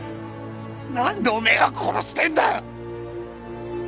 なんでおめぇが殺してんだよ！